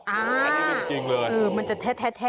อ่าคือมันจะแทะนะ